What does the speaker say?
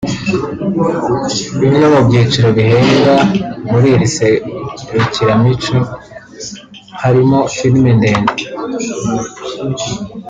Bimwe mu byiciro bihembwa muri iri serukiramuco harimo Filime ndende